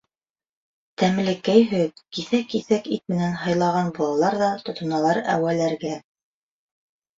Тәмлекәй һөт, киҫәк-киҫәк ит менән һыйлаған булалар ҙа тотоналар әүәләргә...